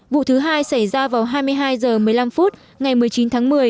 vụ thứ hai xảy ra vào hai mươi hai h một mươi năm phút ngày một mươi chín tháng một mươi